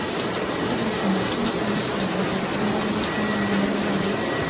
غلی کېناست، مخامخ يې وکتل، د مڼو ګنې ونې ولاړې وې.